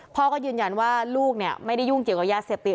พ่อก็ยืนยันว่าลูกไม่ได้ยุ่งเกี่ยวกับยาเสพติด